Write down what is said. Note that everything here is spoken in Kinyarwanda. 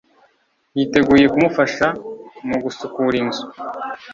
yiteguye kumufasha mu gusukura inzu